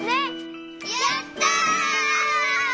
やった！